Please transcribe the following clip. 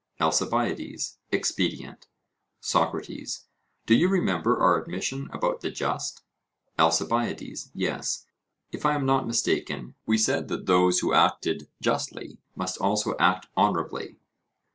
ALCIBIADES: Expedient. SOCRATES: Do you remember our admissions about the just? ALCIBIADES: Yes; if I am not mistaken, we said that those who acted justly must also act honourably.